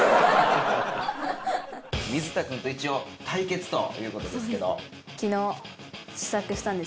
水田君と一応対決という事ですけど。